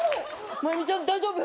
マユミちゃん大丈夫？